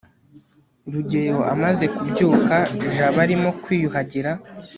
rugeyo amaze kubyuka, jabo arimo kwiyuhagira